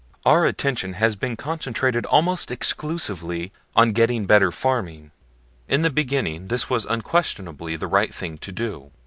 Our attention has been concentrated almost exclusively on getting better farming. In the beginning this was unquestionably the right thing to do.